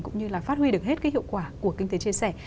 cũng như là phát huy được hết cái hiệu quả của kinh tế chia sẻ